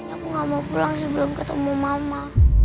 aku gak mau pulang sebelum ketemu mama